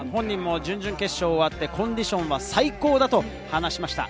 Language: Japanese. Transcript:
本人も準々決勝終わって、コンディションは最高だと話しました。